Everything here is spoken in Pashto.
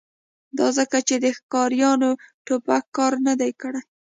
دا ځکه چې د ښکاریانو ټوپک کار نه دی کړی